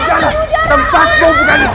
ayo jalan tempatmu bukan di sini